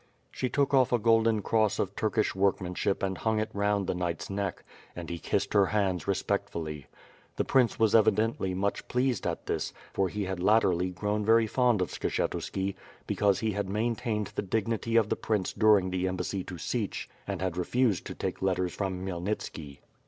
She took off a golden cross of Turkish workmanship and hung it round the knight's neck, and he kissed her hands respectfully. The prince was evidently much pleased at this 314 WITH FIRE AND SWORD. for he had latterly grown very fond of Skshetuski, because he had maintained the dignity of the prince during the em bassy to Sich and had refused to take letters from Khmyel nitski.